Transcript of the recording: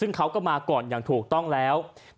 ของการเนี่ยก็เข้ากันต่ออย่างถูกและตอบต้น